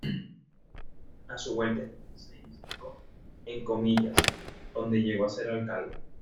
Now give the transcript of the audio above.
A su vuelta a España, se instaló en Comillas, donde llegó a ser alcalde.